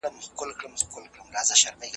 راځئ چي په رښتینې مانا مسلمانان سو.